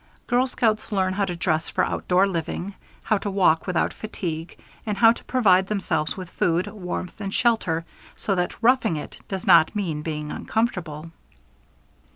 Girl scouts learn how to dress for outdoor living, how to walk without fatigue, and how to provide themselves with food, warmth, and shelter, so that "roughing it" does not mean being uncomfortable.